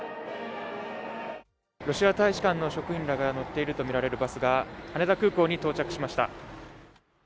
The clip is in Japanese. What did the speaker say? ロシア大使館の職員らが乗っているとみられるバスが羽田空港に到着しました。